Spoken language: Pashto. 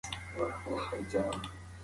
زده کوونکي باید د علم د زرو تعلیم حاصل کړي.